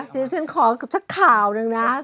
เดี๋ยวฉันขอกับสักข่าวหนึ่งนะ